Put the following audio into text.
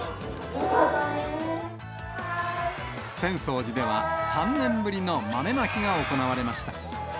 浅草寺では、３年ぶりの豆まきが行われました。